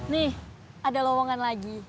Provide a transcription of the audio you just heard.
nih ada lowongan lagi